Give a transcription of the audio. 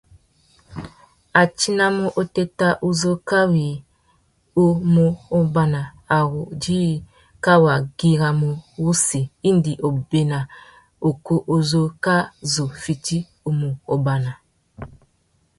A tinamú otéta uzu kawi u mù ombāna a ru djï kā wa güirimana wussi indi obéna ukú u zu kā zu fiti u mù ombāna.